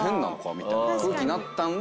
みたいな空気になったんで。